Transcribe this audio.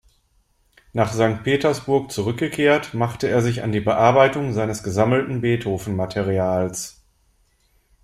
Nach Sankt Petersburg zurückgekehrt, machte er sich an die Bearbeitung seines gesammelten Beethoven-Materials.